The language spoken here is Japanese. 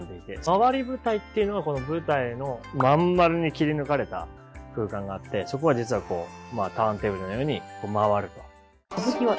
廻り舞台っていうのがこの舞台の真ん丸に切り抜かれた空間があってそこは実はターンテーブルのように回ると。